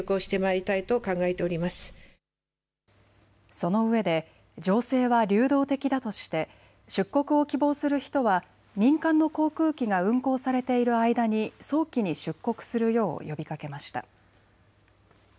そのうえで情勢は流動的だとして出国を希望する人は民間の航空機が運航されている間に早期に出国するよう呼びかけました。